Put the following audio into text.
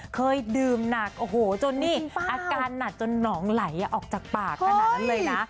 เคยดื่มหนักโอ้โหจนนี่อาการหนักจนหนองไหลออกจากปากขนาดนั้นเลยนะ